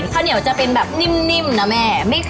ข้าวเหนียวจะเป็นแบบนิ่มนะแม่